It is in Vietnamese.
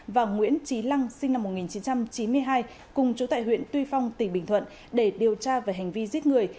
và nguyễn trí lăng sinh năm một nghìn chín trăm chín mươi hai cùng chú tại huyện tuy phong tỉnh bình thuận để điều tra về hành vi giết người